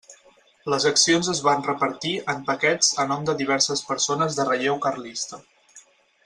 Les accions es van repartir en paquets a nom de diverses persones de relleu carlista.